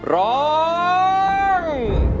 ร้อง